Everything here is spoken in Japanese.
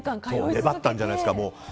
粘ったんじゃないですか。